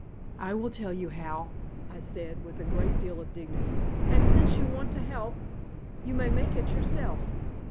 "I will tell you how," I said with a great deal of dignity, "and since you want to help, you may make it yourself."